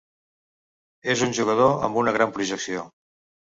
És un jugador amb una gran projecció.